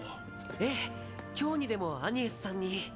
ええ今日にでもアニエスさんに。